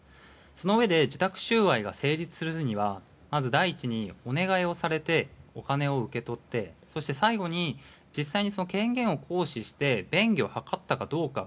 そのうえで受託収賄が成立するには、まず第一にお願いをされてお金を受け取ってそして最後に実際に権限を行使して便宜を図ったかどうか。